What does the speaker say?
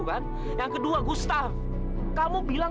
ketua perempuan tau gak